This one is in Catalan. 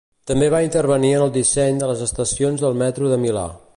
També va intervenir en el disseny de les estacions del metro de Milà.